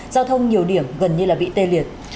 giao thông nhiều điểm gần như bị tê liệt